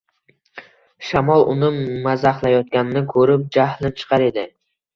Shamol uni mazaxlayotganini ko‘rib jahlim chiqar edi